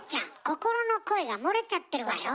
心の声が漏れちゃってるわよ？